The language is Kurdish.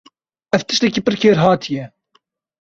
Ev tiştekî pir kêrhatî ye.